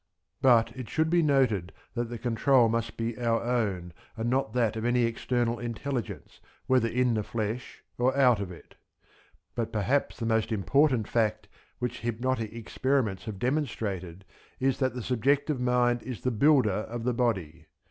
But it should be noted that the control must be our own and not that of any external intelligence whether in the flesh or out of it. But perhaps the most important fact which hypnotic experiments have demonstrated is that the subjective mind is the builder of the body.